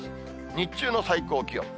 日中の最高気温。